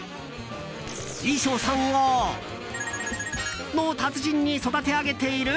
衣装さんを○○の達人に育て上げている？